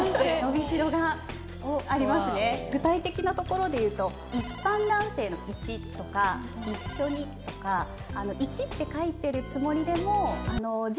具体的なところで言うと「一般男性」の「一」とか「一緒に」とか「一」って書いてるつもりでも。